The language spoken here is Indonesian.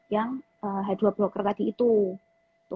yang h dua broker tadi itu